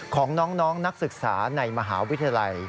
ของน้องนักศึกษาในมหาวิทยาลัย